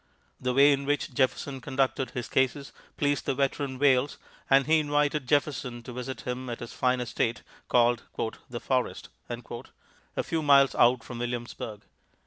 The way in which Jefferson conducted his cases pleased the veteran Wayles, and he invited Jefferson to visit him at his fine estate, called "The Forest," a few miles out from Williamsburg.